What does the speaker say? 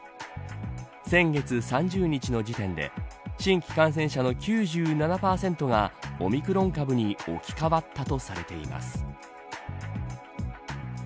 先月３０日の時点で新規感染者の９７％がオミクロン株に置き換わったとされています。